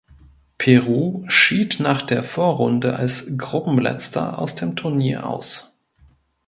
Peru schied nach der Vorrunde als Gruppenletzter aus dem Turnier aus.